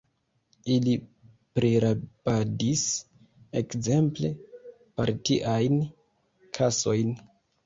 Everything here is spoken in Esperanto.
Ili prirabadis, ekzemple, partiajn kasojn.